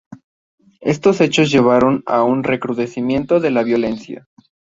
Estos hechos llevaron a un recrudecimiento de la violencia.